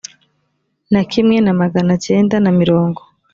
na kimwe na magana cyenda na mirongo